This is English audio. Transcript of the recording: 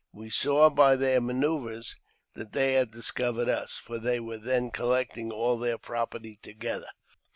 We saw by their manoeuvres that they had discovered us, for they were then collecting all their property together.